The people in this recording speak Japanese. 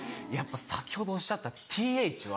先ほどおっしゃったｔｈは。